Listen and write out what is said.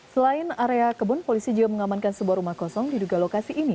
selain area kebun polisi juga mengamankan sebuah rumah kosong diduga lokasi ini